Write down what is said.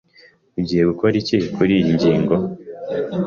Ugiye gukora iki kuriyi ngingo?